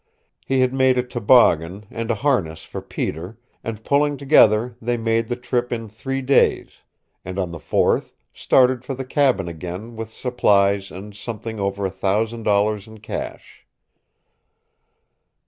He had made a toboggan, and a harness for Peter, and pulling together they made the trip in three days, and on the fourth started for the cabin again with supplies and something over a thousand dollars in cash.